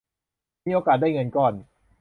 มีโอกาสได้เงินก้อน